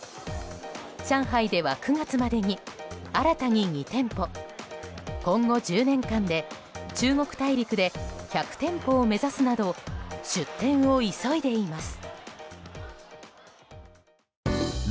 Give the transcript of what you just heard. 上海では９月までに新たに２店舗今後１０年間で中国大陸で１００店舗を目指すなど出店を急いでいます。